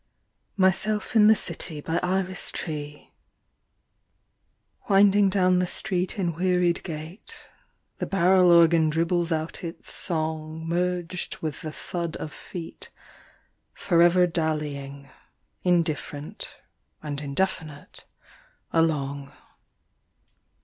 54 IRIS TREE. MYSELF IN THE CITY. WINDING down the street in wearied gait, the barrel organ dribbles out its song Merged with the thud of feet forever dallying indifferent and indefinite along.